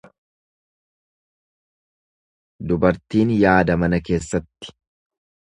Dubartiin yaada mana keessatti.